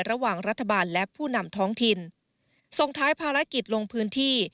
ระหว่างรัฐบาลและผู้นำท้องถิ่นส่งท้ายภารกิจลงพื้นที่